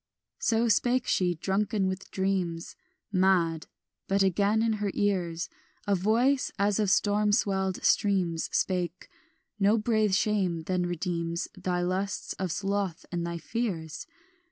So spake she, drunken with dreams, Mad; but again in her ears A voice as of storm swelled streams Spake; "No brave shame then redeems Thy lusts of sloth and thy fears?